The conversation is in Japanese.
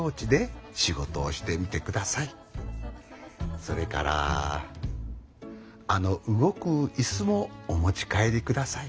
それからあの動く椅子もお持ち帰り下さい。